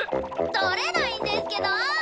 取れないんですけど！